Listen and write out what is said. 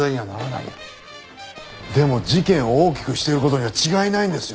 でも事件を大きくしている事には違いないんですよ。